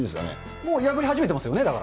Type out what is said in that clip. もう破れ始めてますよね、だから。